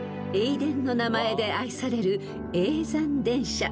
いでんの名前で愛される叡山電車］